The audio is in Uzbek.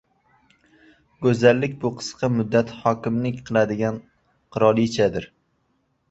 Go‘zallik — bu qisqa muddat hokimlik qiladigan qirolichadir.